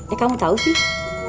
eh kamu tau sih